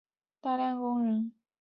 面条制作过程需要大量人工。